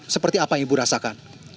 seperti apa yang ibu rasakan